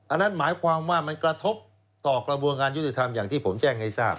อันนั้นหมายความว่ามันกระทบต่อกระบวนการยุติธรรมอย่างที่ผมแจ้งให้ทราบ